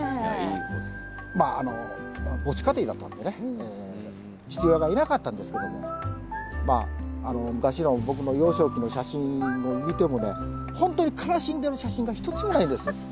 まああの母子家庭だったんでね父親がいなかったんですけども昔の僕の幼少期の写真を見てもね本当に悲しんでる写真が一つもないです。